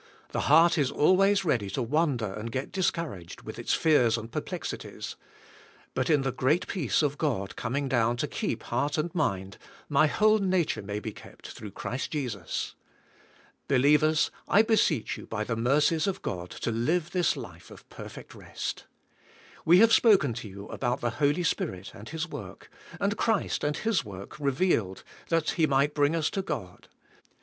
The heart is always ready to wander and g et discourag ed, with its fears and perplexities. But in the g'reat peace of God coming down to keep heart and mind, my whole nature may be kept through Christ Jesus. Believers, I beseech you by the mercies of God to live this life of perfect rest. We have spoken to you about the Holy Spirit and His work, and Christ and His work revealed that He might bring us to God.